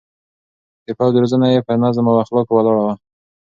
د پوځ روزنه يې پر نظم او اخلاقو ولاړه وه.